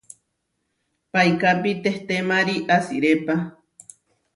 Paikápi tehtémari asirépa.